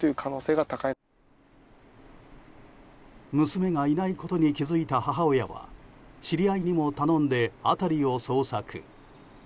娘がいないことに気づいた母親は知り合いにも頼んで辺りを捜索。